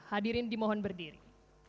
hadirin dimohon berdiri